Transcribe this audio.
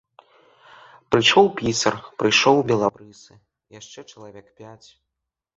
Прыйшоў пісар, прыйшоў белабрысы, яшчэ чалавек пяць.